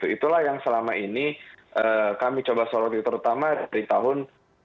itu lah yang selama ini kami coba sorotin terutama di tahun dua ribu sembilan belas